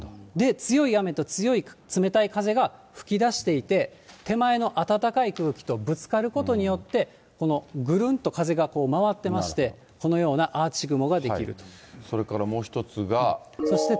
強い雨と強い冷たい風が吹き出していて、手前の暖かい空気とぶつかることによって、この、ぐるんと風が回ってまして、それからもう一つが。